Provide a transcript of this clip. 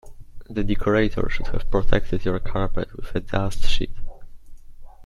The decorator should have protected your carpet with a dust sheet